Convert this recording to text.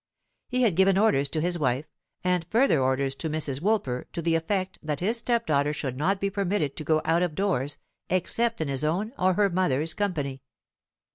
He had given orders to his wife, and further orders to Mrs. Woolper to the effect that his step daughter should not be permitted to go out of doors, except in his own or her mother's company.